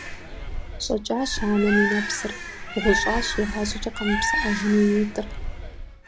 ЩӀэкӀащ анэм и нэпсыр, гъущӀащ, игъащӀэкӀэ къэмыпсыӀэжыну и нитӏыр.